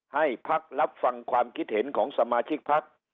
ให้พักรับฟังความคิดเห็นของสมาชิกพัก